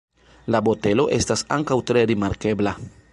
La botelo estas ankaŭ tre rimarkebla.